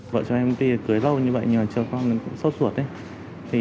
vợ chồng em đi cưới lâu như vậy nhờ chồng con cũng xót ruột